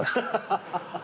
ハハハハハ！